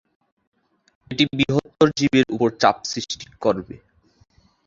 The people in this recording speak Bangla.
এটি বৃহত্তর জীবের উপর চাপ সৃষ্টি করে।